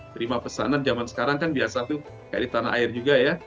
terima pesanan zaman sekarang kan biasa tuh kayak di tanah air juga ya